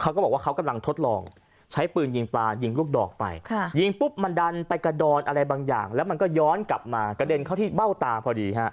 เขาก็บอกว่าเขากำลังทดลองใช้ปืนยิงปลายิงลูกดอกไปยิงปุ๊บมันดันไปกระดอนอะไรบางอย่างแล้วมันก็ย้อนกลับมากระเด็นเข้าที่เบ้าตาพอดีฮะ